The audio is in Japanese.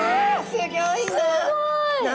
すギョいな。